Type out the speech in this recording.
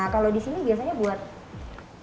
kalau di sini biasanya buat